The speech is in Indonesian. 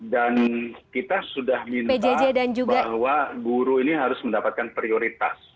dan kita sudah minta bahwa guru ini harus mendapatkan prioritas